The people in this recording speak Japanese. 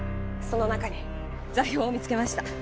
その中に座標を見つけました